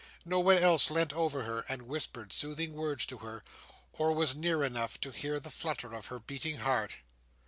No one else leant over her, and whispered soothing words to her, or was near enough to hear the flutter of her beating heart.